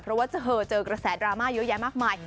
เพราะว่าเจอกระแสดราม่าเยอะแยะมากมาย